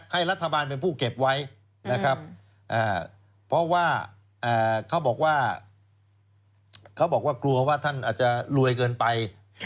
ให้รัฐบาลเป็นผู้เก็บไว้นะครับเพราะว่าเขาบอกว่ากลัวว่าท่านอาจจะรวยเกินไป